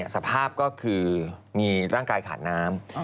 สภาพก็คือมีร่างกายขาดน้ำ